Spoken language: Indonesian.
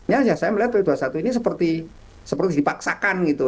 ya saya melihat p dua puluh satu ini seperti dipaksakan gitu